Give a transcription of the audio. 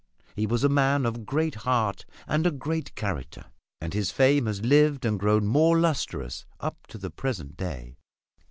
He was a man of a great heart and a great character; and his fame has lived and grown more lustrous up to the present day.